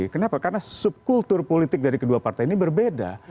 kenapa karena subkultur politik dari kedua partai ini berbeda